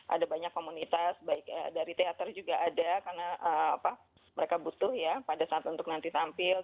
ada banyak komunitas baik dari teater juga ada karena mereka butuh ya pada saat untuk nanti tampil